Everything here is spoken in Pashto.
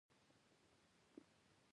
توپک د ولسونو تر منځ کرکه رامنځته کوي.